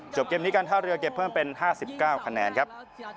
เกมนี้การท่าเรือเก็บเพิ่มเป็น๕๙คะแนนครับ